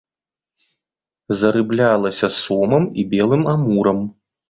Зарыблялася сомам і белым амурам.